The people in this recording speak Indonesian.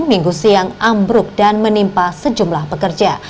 minggu siang ambruk dan menimpa sejumlah pekerja